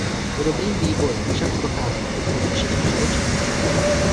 Podobným vývojem však prochází v podstatě všichni živočichové.